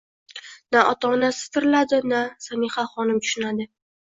Na ota-onasi tiriladi, na Sanihaxonim tushunadi.